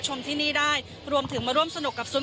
ก็จะมีการพิพากษ์ก่อนก็มีเอ็กซ์สุข่อน